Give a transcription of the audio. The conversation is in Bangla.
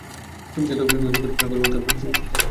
তুমি যত খুশী ততো গরুর রক্ত ডক রুমে ছিটিয়ে রাখতে পারো!